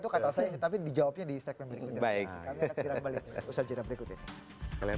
itu kata saya tapi jawabnya di segmen pemerintah